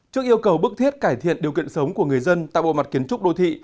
trước yêu cầu bức thiết cải thiện điều kiện sống của người dân tại bộ mặt kiến trúc đô thị